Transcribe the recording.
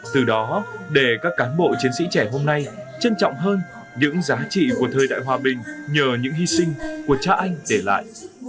từ đó để các cán bộ chiến sĩ trẻ hôm nay trân trọng hơn những giá trị của thời đại hòa bình nhờ những hy sinh của cha anh để lại